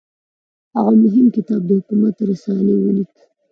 هغه مهم کتاب د حکومت رسالې ولیکه.